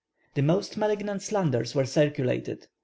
The most malignant slanders were circulated.